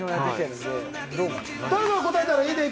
誰が答えたらいい？